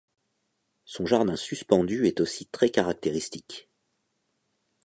Son jardin suspendu est aussi très caractéristique.